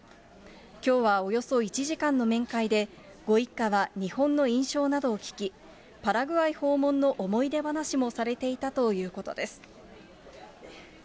きょうはおよそ１時間の面会で、ご一家は日本の印象などを聞き、パラグアイ訪問の思い出話もされていたということです。